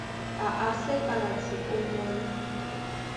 Á asɛ́ kálati ómɔ́ny.